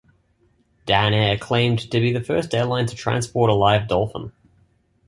Dan-Air claimed to be the first airline to transport a live dolphin.